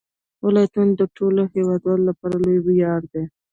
ولایتونه د ټولو هیوادوالو لپاره لوی ویاړ دی.